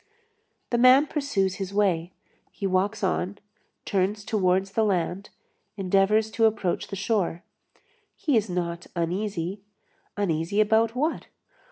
The man pursues his way, he walks on, turns towards the land, endeavors to approach the shore. He is not uneasy. Uneasy about what?